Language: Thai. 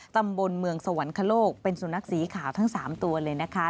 ตำบลเมืองสวรรคโลกเป็นสุนัขสีขาวทั้ง๓ตัวเลยนะคะ